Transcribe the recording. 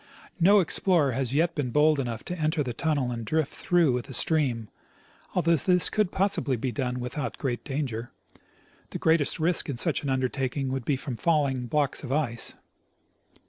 No explorer has yet been bold enough to enter the tunnel and drift through with the stream, although this could possibly be done without great danger. The greatest risk in such an undertaking would be from falling blocks of ice.